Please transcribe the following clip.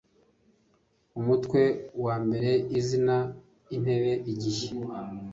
UMUTWE WA MBERE IZINA INTEBE IGIHE